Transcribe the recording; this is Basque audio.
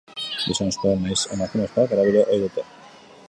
Gizonezkoek nahiz emakumezkoek erabili ohi dute.